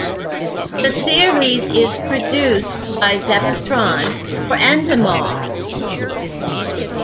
The series is produced by Zeppotron for Endemol.